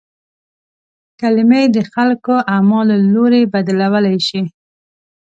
کلمې د خلکو اعمالو لوری بدلولای شي.